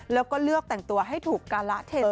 แล้วก็เลือกแต่งตัวให้ถูกการละเท